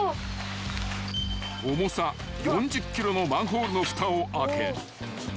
［重さ４０ｋｇのマンホールのふたを開け］